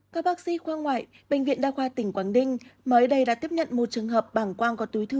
các bác sĩ khoa ngoại bệnh viện đa khoa tỉnh quảng ninh mới đây đã tiếp nhận một trường hợp bảng quang có túi thừa